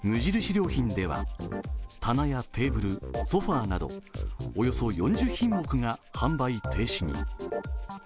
良品では棚やテーブルソファなどおよそ４０品目が販売停止に。